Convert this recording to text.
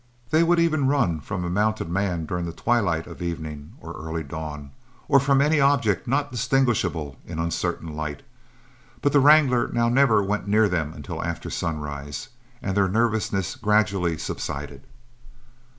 They would even run from a mounted man during the twilight of evening or early dawn, or from any object not distinguishable in uncertain light; but the wrangler now never went near them until after sunrise, and their nervousness gradually subsided.